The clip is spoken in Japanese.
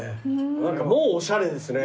何かもうおしゃれですね。